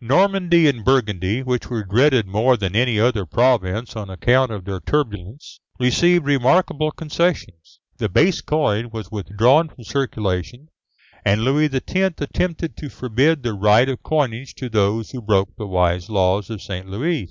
Normandy and Burgundy, which were dreaded more than any other province on account of their turbulence, received remarkable concessions. The base coin was withdrawn from circulation, and Louis X. attempted to forbid the right of coinage to those who broke the wise laws of St. Louis.